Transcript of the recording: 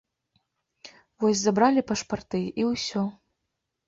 Вось забралі пашпарты, і ўсё.